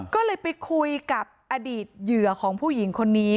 ก็เลยไปคุยกับอดีตเหยื่อของผู้หญิงคนนี้